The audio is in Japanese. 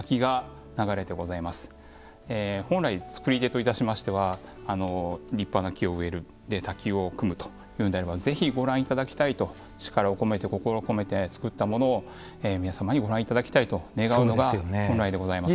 本来つくり手といたしましては立派な木を植える滝を組むというのであればぜひご覧頂きたいと力を込めて心を込めてつくったものを皆様にご覧頂きたいと願うのが本来でございます。